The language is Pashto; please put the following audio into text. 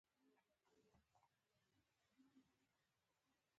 يا په بل عبارت هغه فکر چې احساساتي بڼه ورکول کېږي.